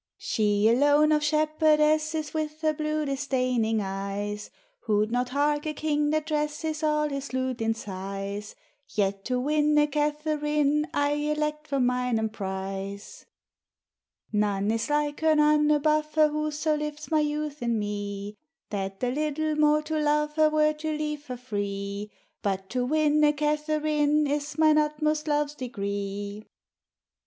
She alone of Shepherdesses With her blue disdayning eyes, Wo'd not hark a Kyng that dresses All his lute in sighes: Yet to winne Katheryn, I elect for mine Emprise. None is like her, none above her, Who so lifts my youth in me, That a little more to love her Were to leave her free! But to winne Katheryn, Is mine utmost love's degree.